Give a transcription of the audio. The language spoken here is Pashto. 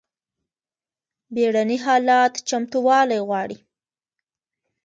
بیړني حالات چمتووالی غواړي